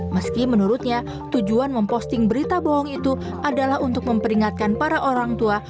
meski menurutnya tujuan memposting berita bohong itu adalah untuk memperingatkan para orang tua